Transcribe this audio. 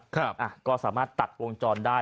ก็สามารถตัดวงจรได้